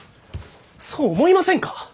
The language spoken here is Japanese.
そう思いませんか？